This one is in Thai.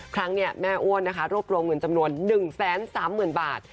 ครั้งนี้แม่อ้วนนะคะรวบรวมเงินจำนวน๑๓๐๐๐บาท